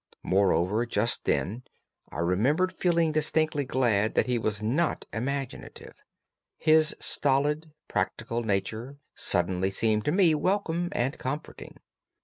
Moreover, just then I remember feeling distinctly glad that he was not imaginative; his stolid, practical nature suddenly seemed to me welcome and comforting.